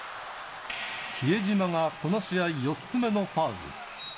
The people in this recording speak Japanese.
比江島がこの試合、４つ目のファウル。